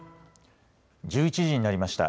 １１時になりました。